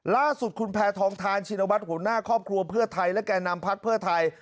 ล่าสุดคุณแพทองทานชินวัฒน์หัวหน้าครอบครัวเพื่อไทยและแก่นำพักเพื่อไทย